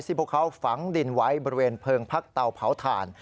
พวกเขาฝังดินไว้บริเวณเพลิงพักเตาเผาถ่าน